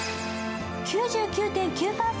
９９．９％